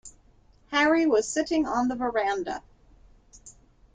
Harry was sitting on the verandah.